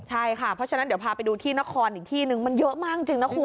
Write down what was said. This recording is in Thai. ใช่ค่ะเพราะฉะนั้นเดี๋ยวพาไปดูที่นครอีกที่นึงมันเยอะมากจริงนะคุณ